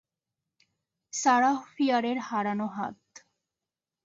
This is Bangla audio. সারাহ ফিয়ারের হারানো হাত।